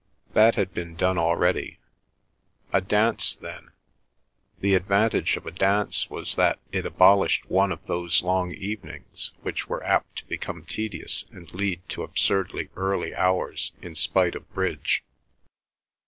That had been done already. A dance then. The advantage of a dance was that it abolished one of those long evenings which were apt to become tedious and lead to absurdly early hours in spite of bridge.